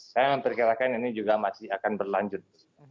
saya memperkirakan ini juga masih akan berlanjut